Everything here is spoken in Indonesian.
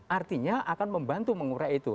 artinya akan membantu mengurai itu